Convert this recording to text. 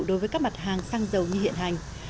đối với các mặt hàng xăng dầu như hiện hành